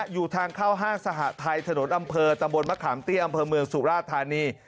อยู่ทางเข้าห้างสหทัยถนนอำเภอตำบลมะขามเตี้ยอำเภอเมืองสุราธานี